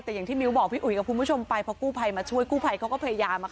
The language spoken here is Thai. แต่อย่างที่มิ้วบอกพี่อุ๋ยกับคุณผู้ชมไปเพราะกู้ภัยมาช่วยกู้ภัยเขาก็พยายาม